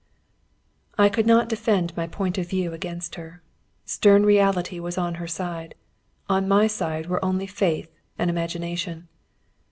I could not defend my point of view against her. Stern reality was on her side; on my side were only faith and imagination.